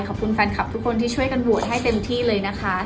ขอบคุณแฟนคลับทุกคนที่ช่วยกันโหวตให้เต็มที่เลยนะคะ